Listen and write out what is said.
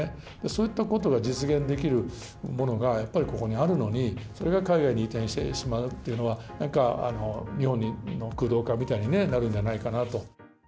そういったことが実現できるものが、やっぱりここにあるのに、それが海外に移転してしまうっていうのは、なんか日本の空洞化みたいになるんじゃないかなと。